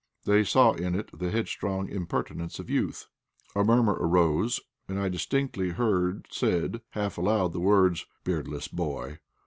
They saw in it the headstrong impertinence of youth. A murmur arose, and I distinctly heard said, half aloud, the words, "Beardless boy."